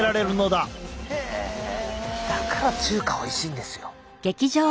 だから中華おいしいんですよ。